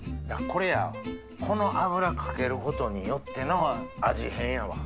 これやこの油かけることによっての味変やわ。